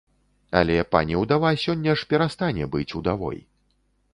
Але пані ўдава сёння ж перастане быць удавой.